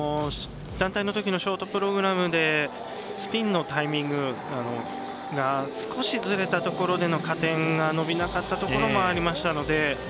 団体のときのショートプログラムでスピンのタイミングが少しずれたところでの加点が伸びなかったところもありましたので。